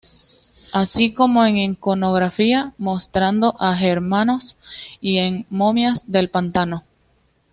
Así como en iconografía mostrando a germanos y en momias del pantano.